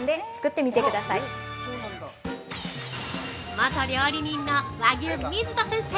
◆元料理人の和牛・水田先生